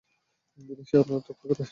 তিনি সেই অনুরোধ রক্ষা করেন।